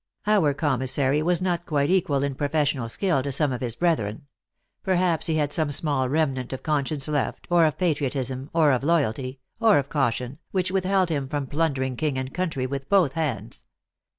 Our commissary was not quite equal in professional skill to some of his brethren. Perhaps he had some small remnant of conscience left, or of patriotism, or of loyalty, or of caution, which withheld him from plundering king and country with both hands.